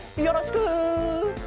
よろしく。